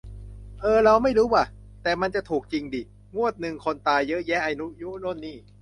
เอ่อเราไม่รู้ว่ะ แต่มันจะถูกจิงดิ งวดนึงคนตายเยอะแยะ อายุโน่นนี่